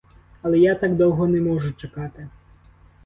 Але я так довго не можу чекати.